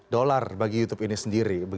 dolar bagi youtube ini sendiri